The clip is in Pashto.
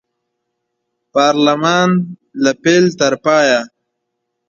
پارلمان له پیل تر پایه